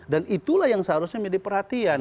dan itulah yang seharusnya menjadi perhatian